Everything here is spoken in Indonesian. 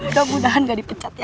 mudah mudahan gak dipecat ya